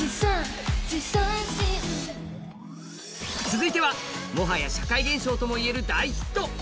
続いては、もはや社会現象ともいえる大ヒット。